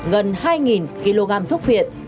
gần hai kg thuốc viện